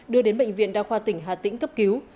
đưa đến bệnh viện đa khoa tỉnh hà tĩnh cấp cứu